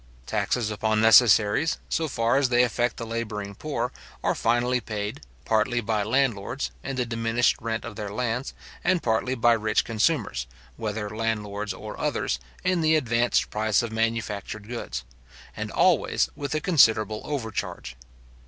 Taxes upon necessaries, so far as they affect the labouring poor, are finally paid, partly by landlords, in the diminished rent of their lands, and partly by rich consumers, whether landlords or others, in the advanced price of manufactured goods; and always with a considerable overcharge.